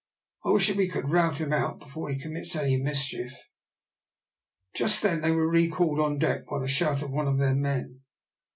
I wish that we could rout him out before he commits any mischief." Just then they were recalled on deck by the shout of one of their men.